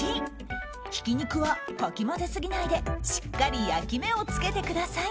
ひき肉はかき混ぜすぎないでしっかり焼き目を付けてください。